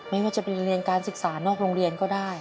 ไม่ว่าจะเป็นเรียนการศึกษานอกโรงเรียนก็ได้